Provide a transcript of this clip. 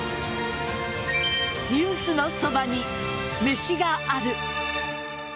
「ニュースのそばに、めしがある。」